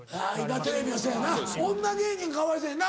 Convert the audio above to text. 今テレビはせやな女芸人かわいそうやな。